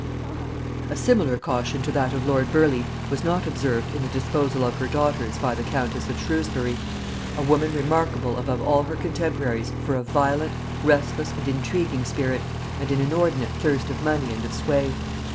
]A similar caution to that of lord Burleigh was not observed in the disposal of her daughters by the countess of Shrewsbury; a woman remarkable above all her contemporaries for a violent, restless and intriguing spirit, and an inordinate thirst of money and of sway.